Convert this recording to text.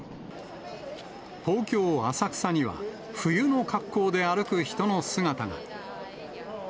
東京・浅草には、冬の格好で歩く人の姿が。